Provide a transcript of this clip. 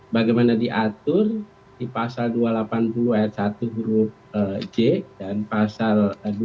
bagaimana diatur di pasal dua ratus delapan puluh ayat satu huruf c dan pasal dua ratus delapan puluh empat